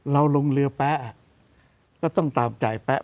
เราลงเรือแป๊ะแล้วก็ต้องตามใจแป๊ะ